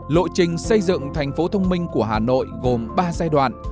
lộ trình xây dựng thành phố thông minh của hà nội gồm ba giai đoạn